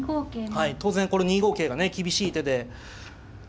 はい当然これ２五桂がね厳しい手で。